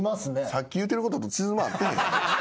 さっき言うてることと辻褄合ってへん。